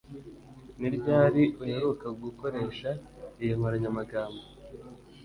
Ni ryari uheruka gukoresha iyi nkoranyamagambo